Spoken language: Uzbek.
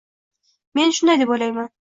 Men shunday deb o‘ylayman.